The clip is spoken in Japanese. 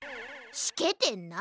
しけてんな。